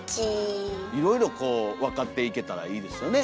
いろいろこう分かっていけたらいいですよね。